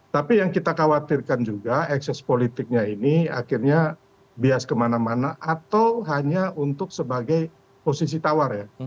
tapi yang kita khawatirkan juga ekses politiknya ini akhirnya bias kemana mana atau hanya untuk sebagai posisi tawar ya